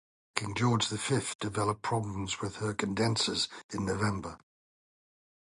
"King George the Fifth" developed problems with her condensers in November.